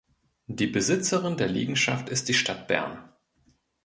Die Besitzerin der Liegenschaft ist die Stadt Bern.